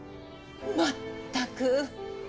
まったく。